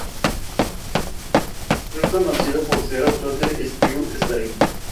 Ese mismo año fue elegido como miembro de la Academia Nacional de Ciencias.